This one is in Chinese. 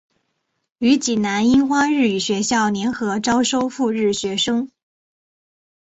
与济南樱花日语学校联合招收赴日学生。